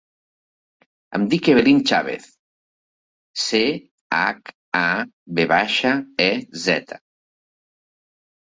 Em dic Evelyn Chavez: ce, hac, a, ve baixa, e, zeta.